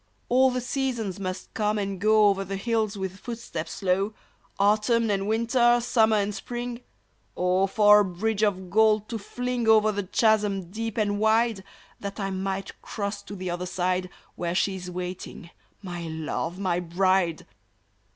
" All the seasons must come and go Over the hills with footsteps slow — Autumn and winter, summer and spring ; Oh, for a bridge of gold to fling Over the chasm deep and wide, 222 FIVE That I might cross to the other side, Where she is waiting — my love, my bride